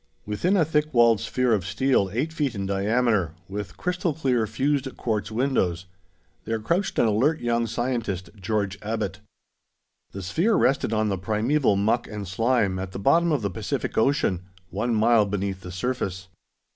] Within a thick walled sphere of steel eight feet in diameter, with crystal clear fused quartz windows, there crouched an alert young scientist, George Abbot. The sphere rested on the primeval muck and slime at the bottom of the Pacific Ocean, one mile beneath the surface.